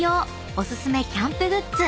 おすすめキャンプグッズ